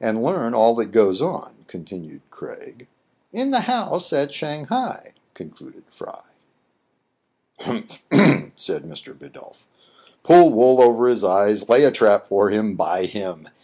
And learn all that goes on "— continued Craig. " In the house at Shang hai," concluded Fry. " Humph !" said Mr. Bidulph. " Pull wool over his eyes ; lay a trap for him ; buy him.